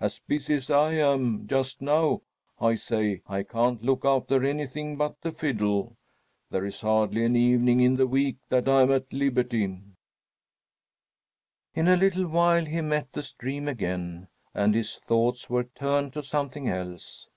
As busy as I am just now, I say, I can't look after anything but the fiddle. There is hardly an evening in the week that I am at liberty." In a little while he met the stream again, and his thoughts were turned to something else.